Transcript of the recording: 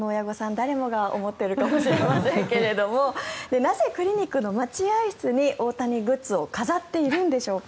誰もが思ってるかもしれませんけれどもなぜクリニックの待合室に大谷グッズを飾っているのでしょうか。